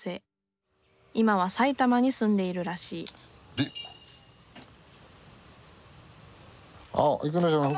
今は埼玉に住んでいるらしいあ生野島の。